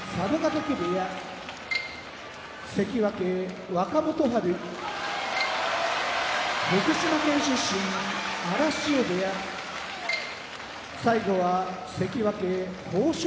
嶽部屋関脇・若元春福島県出身荒汐部屋関脇豊昇